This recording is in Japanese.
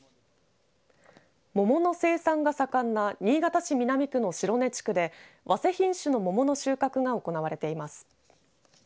桃の生産が盛んな新潟市南区の白根地区でわせ品種の桃の収穫が行われています。